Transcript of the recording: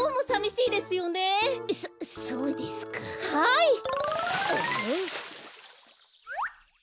はい！